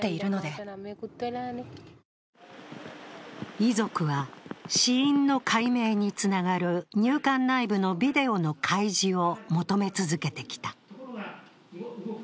遺族は、死因の解明につながる入管内部のビデオの開示を求め続けてきた。